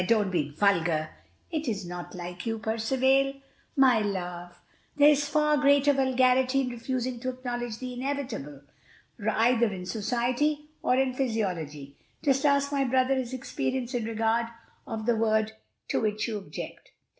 don't be vulgar. It is not like you, Percivale." "My love, there is far greater vulgarity in refusing to acknowledge the inevitable, either in society or in physiology. Just ask my brother his experience in regard of the word to which you object."